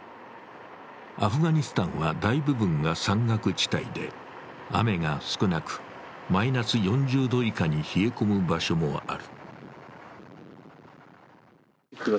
アフガニスタンは大部分が山岳地帯で、雨が少なく、マイナス４０度以下に冷え込む場所もある。